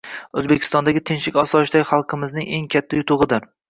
O‘zbekistondagi tinchlik-osoyishtalik xalqingizning eng katta yutug‘idir